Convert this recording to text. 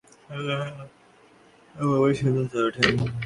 তিনি আকাশের তারা চেনার ব্যাপারে সিদ্ধ হয়ে উঠেন।